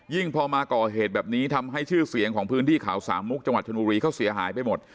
พอมาก่อเหตุแบบนี้ทำให้ชื่อเสียงของพื้นที่เขาสามมุกจังหวัดชนบุรีเขาเสียหายไปหมด